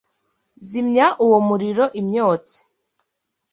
Zimya uwo muriro imyotsi